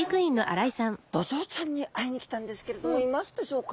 ドジョウちゃんに会いに来たんですけれどもいますでしょうか？